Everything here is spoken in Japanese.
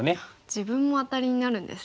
自分もアタリになるんですね。